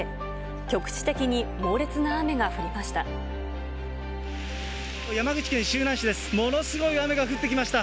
局地的に猛烈な雨が降りました。